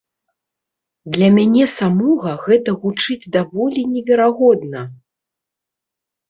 Для мяне самога гэта гучыць даволі неверагодна.